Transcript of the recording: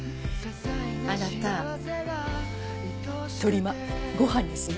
あなたとりまご飯にする？